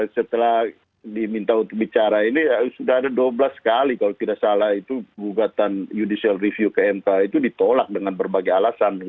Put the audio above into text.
setelah diminta untuk bicara ini sudah ada dua belas kali kalau tidak salah itu gugatan judicial review ke mk itu ditolak dengan berbagai alasan